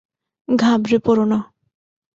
ঘাবড়ে পড়ো না।